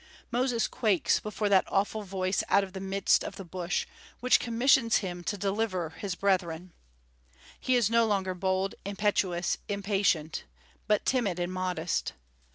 Moses quakes before that awful voice out of the midst of the bush, which commissions him to deliver his brethren. He is no longer bold, impetuous, impatient, but timid and modest.